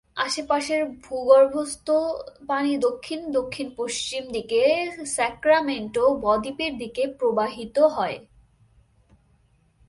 আশেপাশের ভূগর্ভস্থ পানি দক্ষিণ-দক্ষিণপশ্চিম দিকে সাক্রামেন্টো বদ্বীপের দিকে প্রবাহিত হয়।